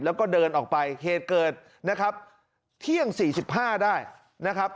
แล้วก็เดินออกไปเหตุเกิดนะครับเที่ยง๔๕ได้นะครับ